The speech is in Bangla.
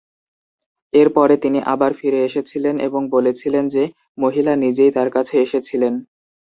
এর পরে তিনি আবার ফিরে এসেছিলেন এবং বলেছিলেন যে মহিলা নিজেই তার কাছে এসেছিলেন।